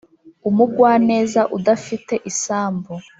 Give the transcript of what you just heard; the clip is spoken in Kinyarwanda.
umugwaneza udafite isambu